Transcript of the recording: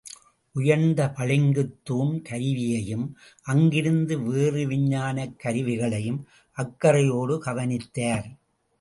உயர்ந்த பளிங்குத் தூண் கருவியையும், அங்கிருந்த வேறு விஞ்ஞானக் கருவிகளையும் அக்கறையோடு கவனித்தார்.